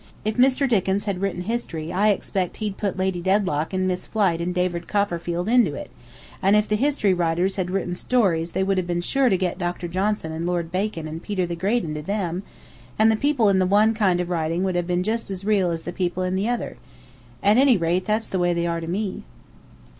If Mr. Dickens had written history I expect he'd put Lady Dedlock and Miss Flite and David Copperfield into it; and if the history writers had written stories they would have been sure to get Dr. Johnson and Lord Bacon and Peter the Great into them; and the people in the one kind of writing would have been just as real as the people in the other. At any rate, that's the way they are to me."